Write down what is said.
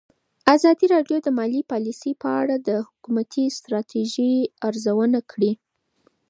ازادي راډیو د مالي پالیسي په اړه د حکومتي ستراتیژۍ ارزونه کړې.